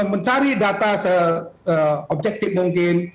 mencari data se objektif mungkin